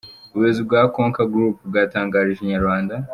Ubuyobozi bwa Konka Group bwatangarije Inyarwanda.